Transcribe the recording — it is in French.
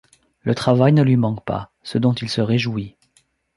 Le travail ne lui manque pas, ce dont il se réjouit.